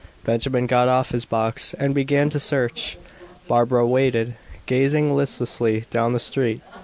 Benjamin got off his box and began to search. Barbara waited, gazing listlessly down the street.